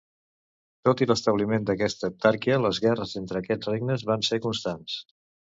Tot i l'establiment d'aquesta heptarquia, les guerres entre aquests regnes van ser constants.